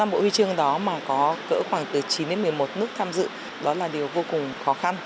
năm bộ huy chương đó mà có cỡ khoảng từ chín đến một mươi một nước tham dự đó là điều vô cùng khó khăn